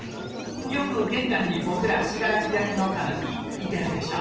よく玄関に僕ら信楽焼のたぬきいてるでしょ？